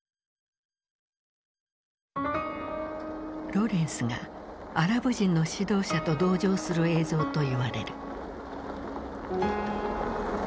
ロレンスがアラブ人の指導者と同乗する映像と言われる。